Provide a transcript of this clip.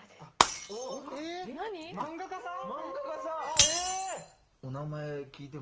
漫画家さん？